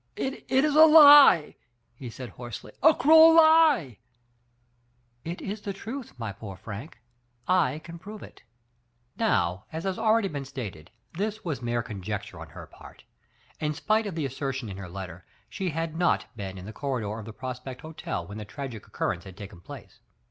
"It is a lie," he said hoarsely, "a cruel lier "It is the truth, my poor Frank ; I can prove it." Now, as has been already stated, this was mere conjecture on her part. In spite of the assertion in her letter, she had not been in the corridor of the Prospect Hotel when the tragic occurrence had taken place.